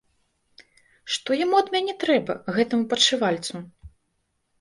Што яму ад мяне трэба, гэтаму падшывальцу?